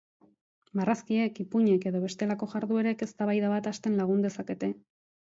Marrazkiek, ipuinek edo bestelako jarduerek eztabaida bat hasten lagun dezakete.